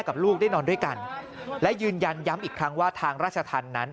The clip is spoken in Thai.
ลูกได้นอนด้วยกันและยืนยันย้ำอีกครั้งว่าทางราชธรรมนั้น